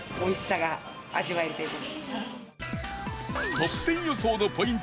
トップ１０予想のポイント